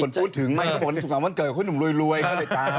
มีคนพูดถึงไหมสุขภาพวันเกิดคุณหนุ่มรวยก็เลยตาม